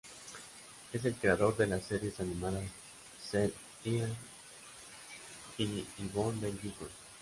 Es el creador de las series animadas Ser Ian y Yvon del Yukón.